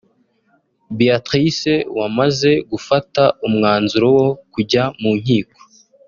Beatrice wamaze gufata umwanzuro wo kujya mu nkiko